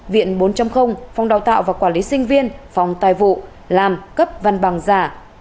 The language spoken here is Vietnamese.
viện bốn phòng đào tạo và quản lý sinh viên phòng tài vụ làm cấp văn bằng giả